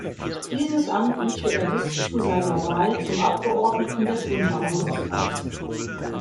Dieses Amt übte er bis zu seiner Wahl zum Abgeordneten des Unterhauses aus.